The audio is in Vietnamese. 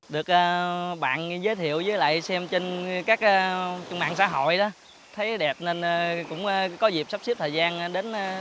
được bạn giới thiệu với lại xem trên các trung mạng xã hội đó thấy đẹp nên cũng có dịp sắp xếp thời gian đến đây để tham quan